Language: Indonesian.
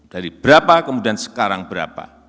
dari berapa kemudian sekarang berapa